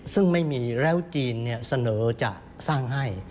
ซึ่งไม่มีแล้วจีนเสนอจะสร้างให้